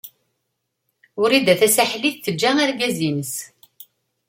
Wrida Tasaḥlit teǧǧa argaz-nnes.